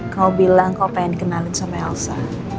kamu bilang kamu pengen dikenalin sama elsa